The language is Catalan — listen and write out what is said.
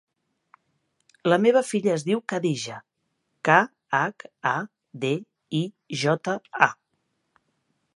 La meva filla es diu Khadija: ca, hac, a, de, i, jota, a.